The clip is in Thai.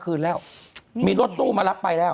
คุณหนุ่มกัญชัยได้เล่าใหญ่ใจความไปสักส่วนใหญ่แล้ว